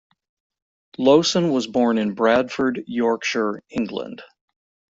Lowson was born in Bradford, Yorkshire, England.